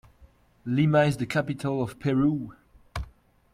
Lima is the capital of Peru.